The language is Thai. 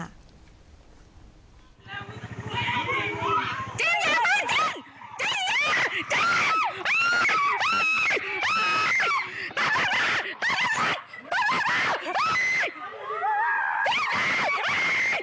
จริงมาจริง